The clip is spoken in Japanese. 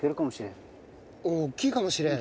大きいかもしれん。